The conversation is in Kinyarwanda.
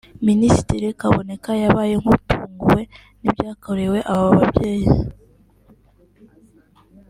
Minisitiri Kaboneka yabaye nk’utunguwe n’ibyakorewe aba babyeyi